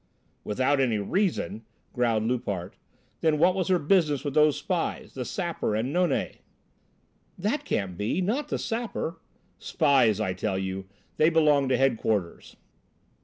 "Without any reason!" growled Loupart. "Then what was her business with those spies, the Sapper and Nonet?" "That can't be! Not the Sapper!" "Spies, I tell you; they belong to headquarters."